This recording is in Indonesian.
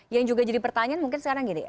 yang juga jadi pertanyaan mungkin sekarang gini